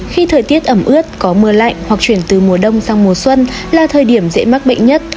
khi thời tiết ẩm ướt có mưa lạnh hoặc chuyển từ mùa đông sang mùa xuân là thời điểm dễ mắc bệnh nhất